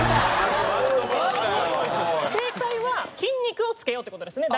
正解は筋肉を付けようって事ですね